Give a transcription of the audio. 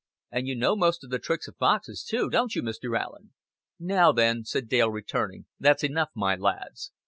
"An' you know most o' the tricks o' foxes too, don't you, Mr. Allen?" "Now then," said Dale, returning, "that's enough, my lads.